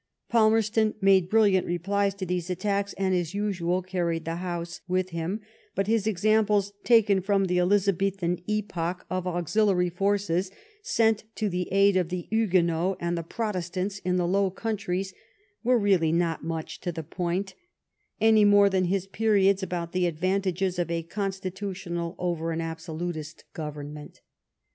Palmerston made brilliant replies to these attacks, and, as usual, carried the House} with him, but his examples, taken from the Elizabethan epoch, of auxiliary forces sent to the aid of the Huguenots and the Protestants in the Low Countries, were really not much to the point, any more than his periods about the advantages of a Constitutional over an Absolutist government.